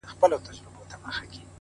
نیک عمل د خلکو په یاد پاتې کېږي!